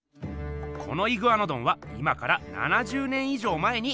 このイグアノドンは今から７０年以上前に描かれました。